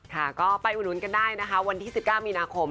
ภายไปอุ่นนวัน๑๙มีนาคม